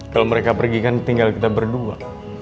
kalau mereka pergi kan tinggal kita berdua